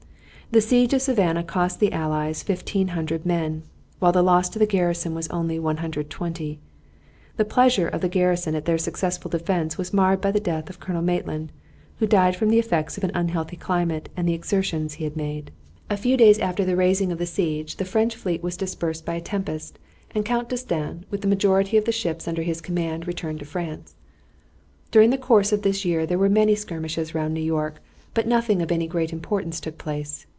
The siege of Savannah cost the allies 1500 men, while the loss of the garrison was only 120. The pleasure of the garrison at their successful defense was marred by the death of Colonel Maitland, who died from the effects of the unhealthy climate and of the exertions he had made. A few days after the raising of the siege the French fleet was dispersed by a tempest, and Count D'Estaing, with the majority of the ships under his command, returned to France. During the course of this year there were many skirmishes round New York, but nothing of any great importance took place.